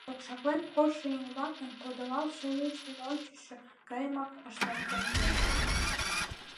— Окшаклен коштшо еҥ-влакын тодылалтше луыштым ончычсо гайымак ыштен кертеш.